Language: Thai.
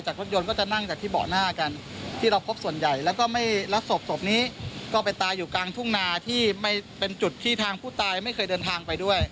ด้านหลังของรถยนต์ของผู้ตายเองในเบาะหลัง